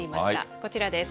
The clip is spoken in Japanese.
こちらです。